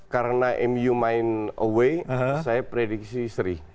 karena mu main away saya prediksi seri